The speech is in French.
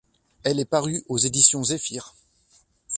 Elle est parue aux éditions Zéphyr.